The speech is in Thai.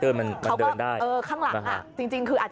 เขาก็เออข้างหลังอ่ะ